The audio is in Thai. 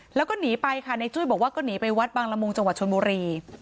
แล้วก็หนีไปค่ะในจุ้ยบอกว่าก็หนีไปวัดบังละมุงจังหวัดชนบุรี